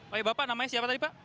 oleh bapak namanya siapa tadi pak